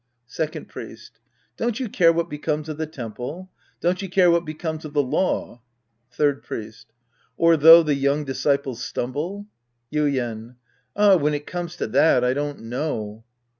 Second Pnest. Don't you care what becomes of the temple? Don't you care what becomes of the law ? Third Priest. Or though the young disciples stumble ? Yuien. Ah, when it comes to that, I don't know.